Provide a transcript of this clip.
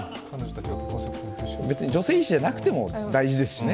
別に女性医師じゃなくても大事ですしね。